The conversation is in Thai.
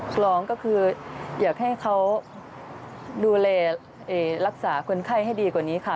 สองรองก็คืออยากให้เขาดูแลรักษาคนไข้ให้ดีกว่านี้ค่ะ